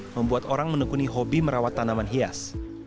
membuat orang menekuni hobi merawat tanaman hias